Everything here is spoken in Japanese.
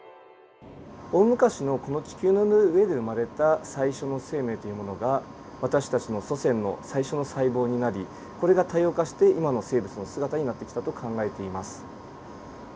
大昔のこの地球の上で生まれた最初の生命というものが私たちの祖先の最初の細胞になりこれが多様化して今の生物の姿になってきたと考えています。